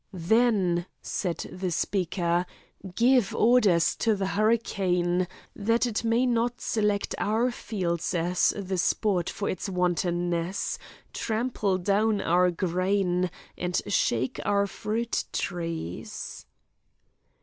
"Then," said the speaker, "give orders to the hurricane, that it may not select our fields as the spot for its wantonness, trample down our grain, and shake our fruit trees."